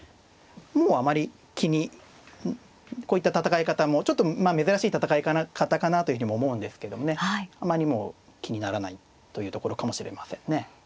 もうあまり気にこういった戦い方もちょっとまあ珍しい戦い方かなというふうにも思うんですけどもねあまりもう気にならないというところかもしれませんね。